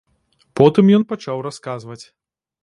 Потым ён пачаў расказваць.